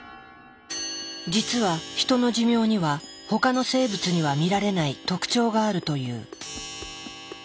実はヒトの寿命には他の生物には見られない特徴があるという。